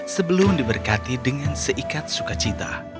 sebelum diberkati dengan seikat sukacita